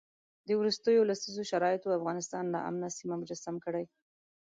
د وروستیو لسیزو شرایطو افغانستان ناامنه سیمه مجسم کړی.